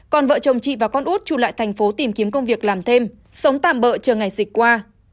còn vợ chồng chị và con út chụp lại thành phố tìm kiếm công việc làm thêm sống tạm bỡ chờ ngày dịch qua